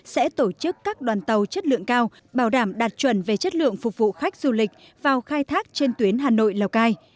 sẽ tổ chức các đoàn tàu chất lượng cao bảo đảm đạt chuẩn về chất lượng phục vụ khách du lịch vào khai thác trên tuyến hà nội lào cai